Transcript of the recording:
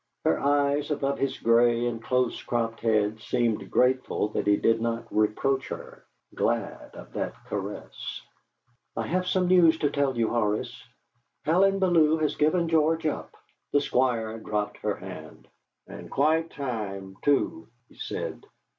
Her eyes above his grey and close cropped head seemed grateful that he did not reproach her, glad of that caress. "I have some news to tell you, Horace. Helen Bellew has given George up!" The Squire dropped her hand. "And quite time too," he said.